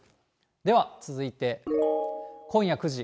では、続いて、今夜９時。